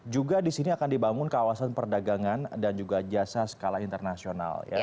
juga di sini akan dibangun kawasan perdagangan dan juga jasa skala internasional